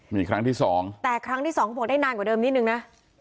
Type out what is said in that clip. มีครั้งที่สองแต่ครั้งที่สองเขาบอกได้นานกว่าเดิมนิดนึงนะ